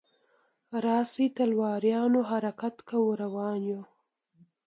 راشئ تلواریانو حرکت کوو روان یو.